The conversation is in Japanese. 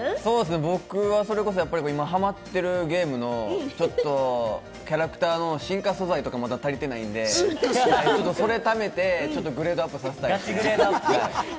僕は、それこそ今、ハマっているゲームの、ちょっとキャラクターの進化素材とかがまだ足りていないので、それためてグレードアップさせたいですね。